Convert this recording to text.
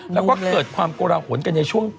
แล้วก็เกิดความกระหนกันในช่วง